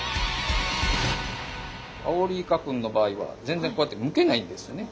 アオリイカ君の場合は全然こうやってむけないんですね。